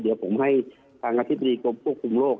เดี๋ยวผมให้ทางอธิบดีกรมควบคุมโรค